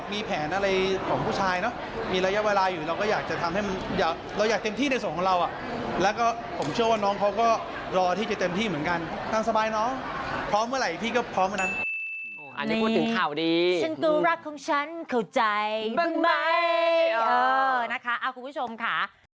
มีระยะเวลาอยู่เราก็อยากจะทำให้มันเราอยากเต็มที่ในส่วนของเราอ่ะแล้วก็ผมเชื่อว่าน้องเขาก็รอที่จะเต็มที่เหมือนกันนั่งสบายเนอะพร้อมเมื่อไหร่พี่ก็พร้อมเมื่อนั้นอันนี้พูดถึงข่าวดี